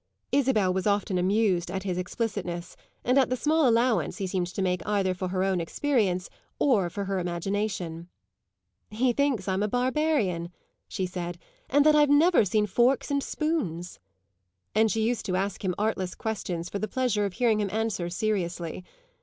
Isabel was often amused at his explicitness and at the small allowance he seemed to make either for her own experience or for her imagination. "He thinks I'm a barbarian," she said, "and that I've never seen forks and spoons;" and she used to ask him artless questions for the pleasure of hearing him answer seriously.